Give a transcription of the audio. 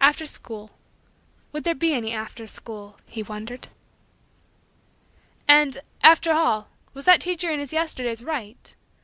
After school would there be any after school, he wondered. "And, after all, was that teacher in his Yesterdays right?"